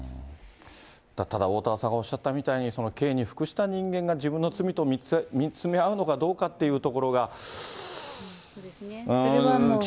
ただおおたわさんがおっしゃったみたいに、その刑に服した人間が自分の罪と見つめ合うのかどうかというとこそれはもう、本人しだい。